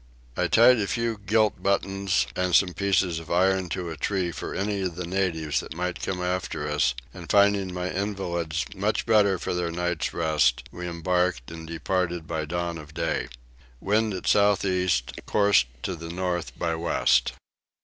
I tied a few gilt buttons and some pieces of iron to a tree for any of the natives that might come after us and, finding my invalids much better for their night's rest, we embarked and departed by dawn of day. Wind at south east; course to the north by west.